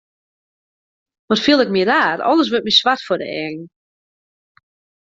Wat fiel ik my raar, alles wurdt my swart foar de eagen.